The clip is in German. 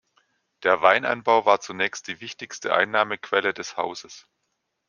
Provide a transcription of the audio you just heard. Der Weinanbau war zunächst die wichtigste Einnahmequelle des Hauses.